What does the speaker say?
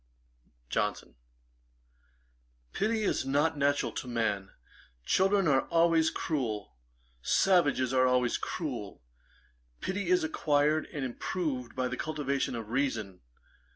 JOHNSON. 'Pity is not natural to man. Children are always cruel. Savages are always cruel. Pity is acquired and improved by the cultivation of reason.